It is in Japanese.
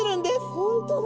本当だ。